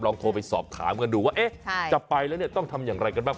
โทรไปสอบถามกันดูว่าจะไปแล้วเนี่ยต้องทำอย่างไรกันบ้าง